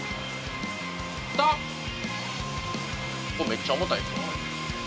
めっちゃ重たい。